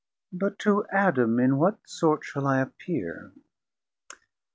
But to Adam in what sort Shall I appeer?